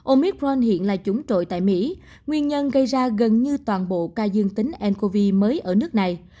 omicron hiện là chủng trội tại mỹ nguyên nhân gây ra gần như toàn bộ ca dương tính ncov mới ở nước này